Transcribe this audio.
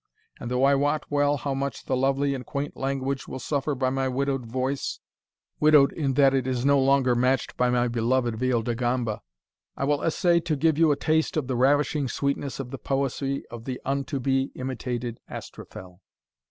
And though I wot well how much the lovely and quaint language will suffer by my widowed voice, widowed in that it is no longer matched by my beloved viol de gamba, I will essay to give you a taste of the ravishing sweetness of the poesy of the un to be imitated Astrophel."